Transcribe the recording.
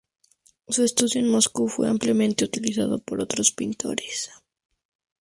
Su estudio en Moscú fue ampliamente utilizado por otros pintores.